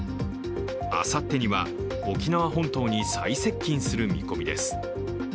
あさってには沖縄本島に最接近する見込みです。